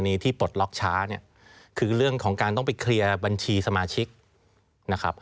ที่ปลดล็อกช้าเนี่ยคือเรื่องของการต้องไปเคลียร์บัญชีสมาชิกนะครับ